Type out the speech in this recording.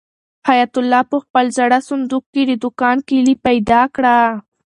حیات الله په خپل زاړه صندوق کې د دوکان کلۍ پیدا کړه.